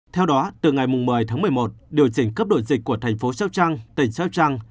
theo đó từ ngày một mươi tháng một mươi một điều chỉnh cấp đội dịch của thành phố sóc trăng tỉnh sóc trăng